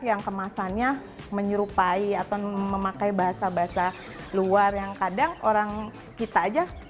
yang kemasannya menyerupai atau memakai bahasa bahasa luar yang kadang orang kita aja